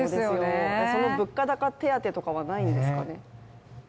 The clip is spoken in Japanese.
物価高手当とかはないんですか？